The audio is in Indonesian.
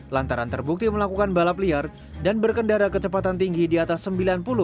lantaran terbukti melakukan balap liar dan berkendara kecepatan tinggi di atas sembilan puluh